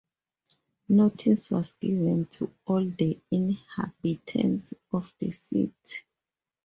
Notice was given to all the inhabitants of the city.